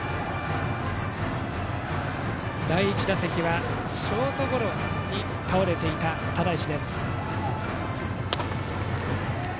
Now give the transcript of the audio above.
第１打席はショートゴロに倒れていた只石。